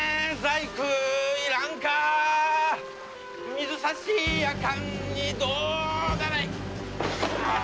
水差しやかん銅だらい！